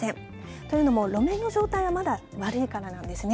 というのも、路面の状態がまだ悪いからなんですね。